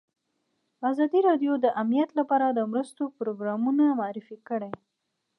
ازادي راډیو د امنیت لپاره د مرستو پروګرامونه معرفي کړي.